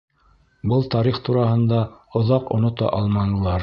Был тарих тураһында оҙаҡ онота алманылар.